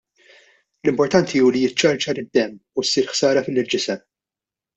L-importanti hu li jiċċarċar id-demm u ssir ħsara lill-ġisem.